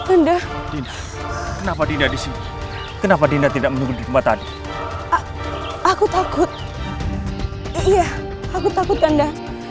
anda kenapa dina disini kenapa dina tidak menunggu di rumah tadi aku takut iya aku takut anda